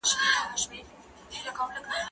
دا لیک له هغه مهم دی،